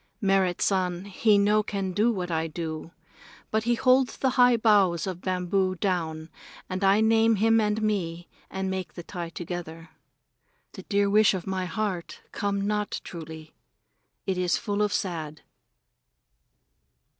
Merrit San he no can know what I do, but he hold the high boughs of bamboo down and I name him and me and make the tie together. The dear wish of my heart come not truly. It is full of sad.